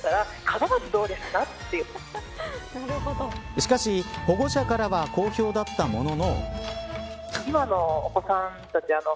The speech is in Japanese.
しかし保護者からは好評だったものの。